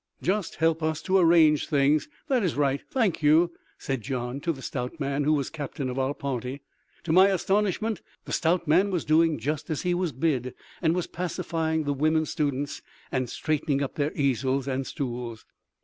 "Just help us to arrange things—that is right, thank you," said Gian to the stout man who was captain of our party. To my astonishment the stout man was doing just as he was bid, and was pacifying the women students and straightening up their easels and stools.